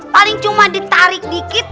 paling cuma ditarik dikit